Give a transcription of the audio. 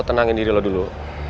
tenangin diri lo dulu